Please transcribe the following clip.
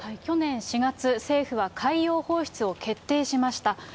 去年４月、政府は海洋放出を決定しました。